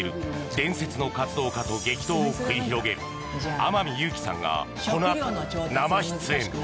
伝説の活動家と激闘を繰り広げる天海祐希さんがこのあと、生出演！